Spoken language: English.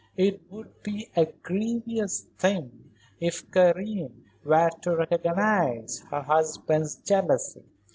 It would be a grievous thing if Karen were to recognize her husband's jealousy.